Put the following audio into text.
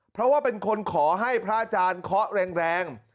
เพราะว่าเป็นคนขอให้พระอาจารย์เคาะแรง